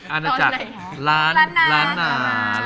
อันนั้นจากล้านช้าน